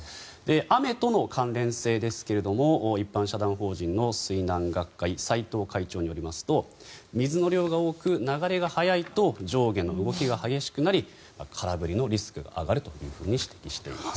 雨との関連性ですが一般社団法人の水難学会斎藤会長によりますと水の量が多く流れが速いと上下の動きが激しくなり空振りのリスクが上がると指摘しています。